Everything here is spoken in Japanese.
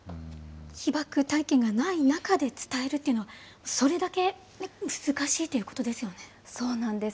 被爆体験がない中で伝えるっていうのは、それだけ難しいといそうなんです。